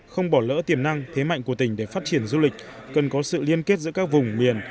không bỏ lỡ tiềm năng thế mạnh của tỉnh để phát triển du lịch cần có sự liên kết giữa các vùng miền